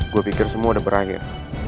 gue pikir semua udah berakhir